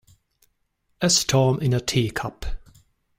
A storm in a teacup